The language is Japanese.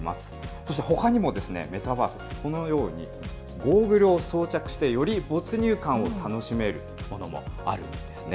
そしてほかにも、メタバース、このように、ゴーグルを装着して没入感を楽しめるものもあるんですね。